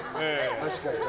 確かにな。